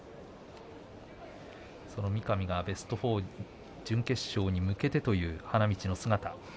その三上がベスト４準決勝に向けてという花道の姿。